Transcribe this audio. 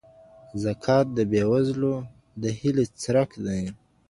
زکات د بې وزلو د هیلې څرک دی.